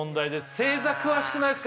星座詳しくないっすか？